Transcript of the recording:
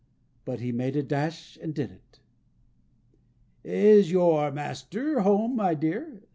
But he made a dash and did it. "Is your master at home, my dear?"